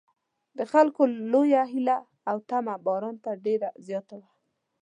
د خلکو لویه هیله او تمه باران ته ډېره زیاته وه.